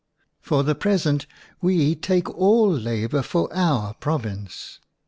For the present, <we take all labor for our province!